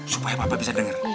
supaya papa bisa denger